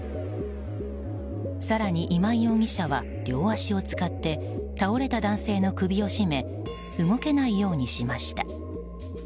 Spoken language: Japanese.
更に今井容疑者は両足を使って倒れた男性の首を絞め動けないようにしました。